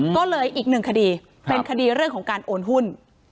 ก็เลยอีกหนึ่งคดีเป็นคดีเรื่องของการโอนหุ้น